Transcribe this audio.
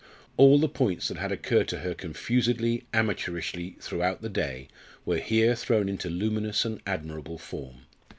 All the points that had occurred to her confusedly, amateurishly, throughout the day, were here thrown into luminous and admirable form.